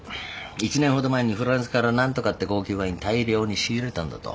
１年ほど前にフランスから何とかって高級ワイン大量に仕入れたんだと。